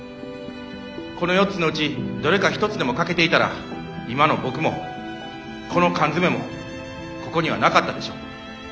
この４つのうちどれか一つでも欠けていたら今の僕もこの缶詰もここにはなかったでしょう。